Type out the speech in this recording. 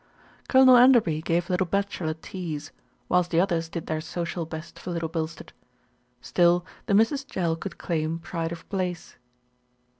Colonel Enderby gave little bachelor teas, whilst the others did their social best for Little Bilstead; still the Misses Jell could claim pride of place.